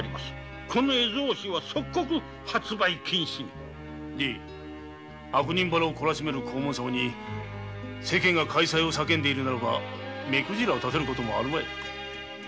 この絵草子は即刻発売禁止に悪人ばらを懲らしめる黄門様に世間が快さいを叫んでるなら目くじら立てる事もあるまい。